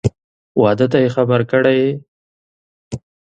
واده ته یې خبر کړی یې؟